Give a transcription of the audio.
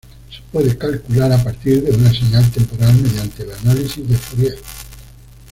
Se puede calcular a partir de una señal temporal mediante el análisis de Fourier.